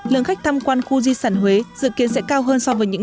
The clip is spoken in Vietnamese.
lượng khách tham quan khu di sản huế dự kiến sẽ cao hơn so với những